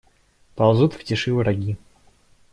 Ползут в тиши враги.